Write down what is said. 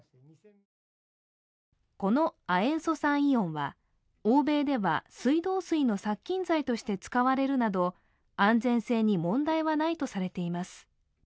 この亜塩素酸イオンは、欧米では水道水の殺菌剤として使われるなど安全性に問題はないとされています。